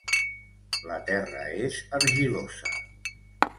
La terra és argilosa.